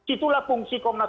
itulah fungsi komnas